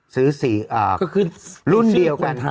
ซื้อ๔รุ่นเดียวกัน